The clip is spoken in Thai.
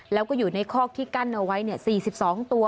แล้วก็อยู่ในคอกที่กั้นเอาไว้๔๒ตัว